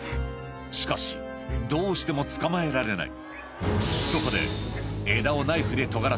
しかしどうしても捕まえられない